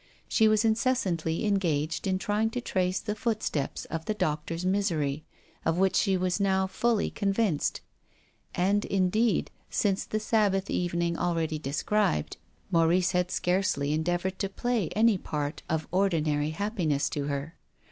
She was incessantly engaged in trying to trace the foot steps of the doctor's misery, of which she was now fully convinced. And indeed, since that Sabbath evening already described, Maurice had scarcely 196 TONGUES OF CONSCIENCE. endeavoured to play any part of ordinary happi ness to her.